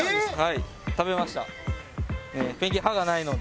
はい。